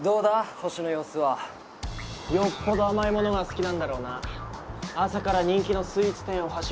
ホシの様子はよっぽど甘いものが好きなんだろうな朝から人気のスイーツ店をはしご